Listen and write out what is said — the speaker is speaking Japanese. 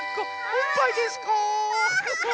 おっぱいですか？